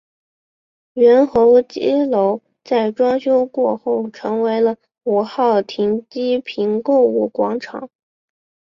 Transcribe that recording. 原候机楼在装修过后成为了五号停机坪购物广场。